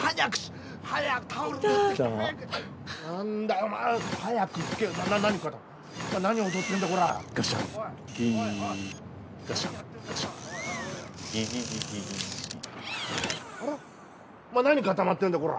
お前何固まってんだコラ」